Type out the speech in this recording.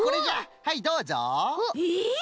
はいどうぞ。えっ！？